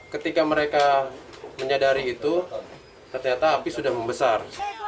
ketika mereka menyadari itu ternyata api sudah membesar